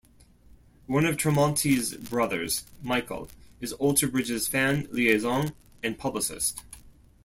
One of Tremonti's brothers, Michael, is Alter Bridge's fan liaison and publicist.